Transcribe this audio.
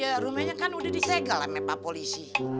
ya rumahnya kan udah disegal emek pak polisi